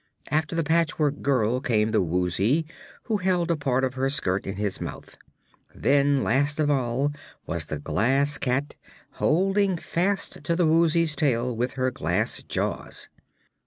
After the Patchwork Girl came the Woozy, who held a part of her skirt in his mouth. Then, last of all, was the Glass Cat, holding fast to the Woozy's tail with her glass jaws.